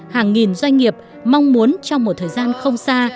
hàng nghìn doanh nghiệp mong muốn trong một thời gian không xa